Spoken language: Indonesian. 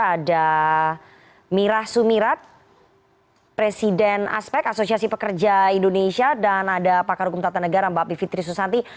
ada mirah sumirat presiden aspek asosiasi pekerja indonesia dan ada pakar hukum tata negara mbak bivitri susanti